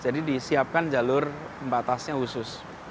jadi disiapkan jalur batasnya khusus